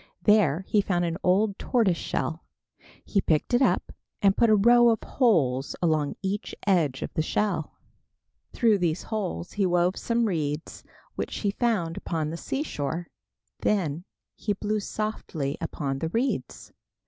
There he found an old tortoise shell. He picked it up and put a row of holes along each edge of the shell. Through these holes he wove some reeds which he found upon the seashore. Then he blew softly upon the reeds.